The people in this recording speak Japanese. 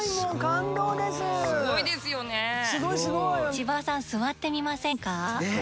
千葉さん座ってみませんか？